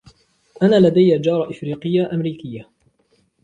أنا لدي جارة أفريقية-أمريكية.